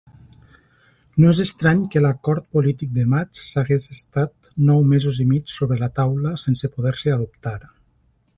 No és estrany que l'acord polític de maig s'hagués estat nou mesos i mig sobre la taula sense poder-se adoptar.